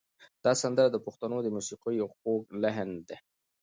دا سندره د پښتنو د موسیقۍ یو خوږ لحن دی.